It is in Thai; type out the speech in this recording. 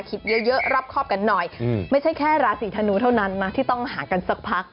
คิดเยอะรับครอบกันหน่อยไม่ใช่แค่ราศีธนูเท่านั้นนะที่ต้องหากันสักพัก